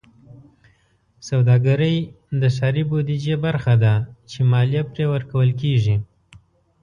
سوداګرۍ د ښاري بودیجې برخه ده چې مالیه پرې ورکول کېږي.